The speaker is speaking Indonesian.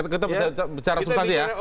kita bicara sebentar ya